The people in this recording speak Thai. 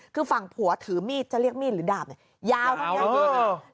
คือฝั่งผัวถือมีดจะเรียกมีดหรือดาบเนี่ยยาวเท่านี้